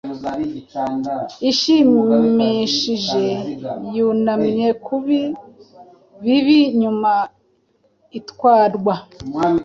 ishimishijeyunamye kubi bibi nyuma itwarwa